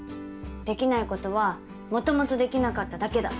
できないことはもともとできなかっただけだ。